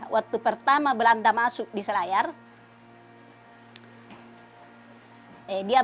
waktu pertama belanda masuk di selayar